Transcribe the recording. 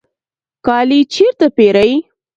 کالی چیرته پیرئ؟